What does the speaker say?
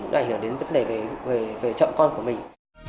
đảy hiểu đến vấn đề về trọng con của mình